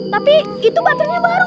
tapi itu baterenya baru